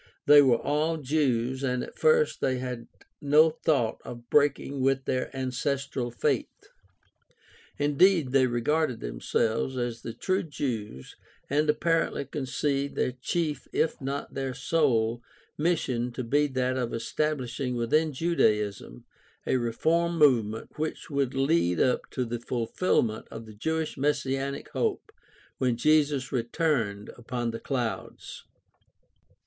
They were all Jews and at first they had no thought of breaking with their ancestral faith. Indeed they regarded themselves as the true Jews and apparently conceived their chief, if not their sole, mission to be that of estabhshing within Judaism a reform movement which would lead up to the fulfilment of the Jewish messianic hope when Jesus returned upon the clouds.